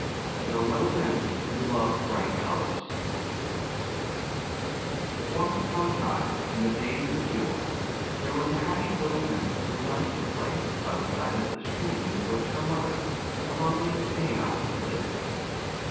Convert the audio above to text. THE LITTLE NYMPH WHO LOVED BRIGHT COLOURS Old Legend ONCE upon a time, in days of yore, there was a happy little Nymph who liked to play by the side of the stream in which her mother, a lovely Naiad, lived.